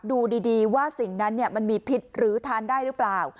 ดูดีว่าสิ่งนั้นมันมีพิษหรือทานได้หรือเปล่า